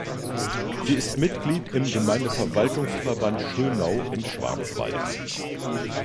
Sie ist Mitglied im Gemeindeverwaltungsverband Schönau im Schwarzwald.